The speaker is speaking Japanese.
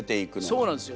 そうなんですよ。